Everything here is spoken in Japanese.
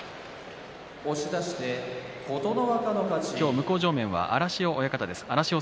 向正面は荒汐親方です。